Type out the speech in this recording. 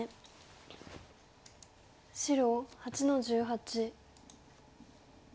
白８の十八。